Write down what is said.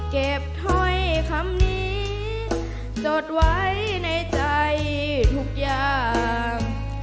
เก็บถ้อยคำนี้จดไว้ในใจทุกอย่าง